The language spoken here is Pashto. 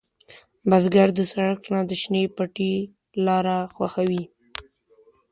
بزګر د سړک نه، د شنې پټي لاره خوښوي